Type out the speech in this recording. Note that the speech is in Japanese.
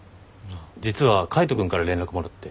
実は海斗君から連絡もらって。